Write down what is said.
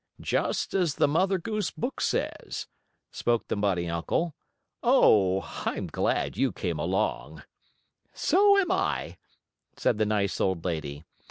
"Just as the Mother Goose books says," spoke the bunny uncle. "Oh, I'm glad you came along." "So am I," said the nice old lady.